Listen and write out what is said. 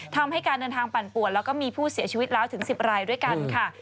ทำให้การเดินทางปั่นปวดแล้วก็มีผู้เสียชีวิตแล้วถึง๑๐รายด้วยกันค่ะ